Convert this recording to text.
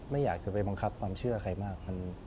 ไม่อยากจะไปบังคับความเชื่อใครมาก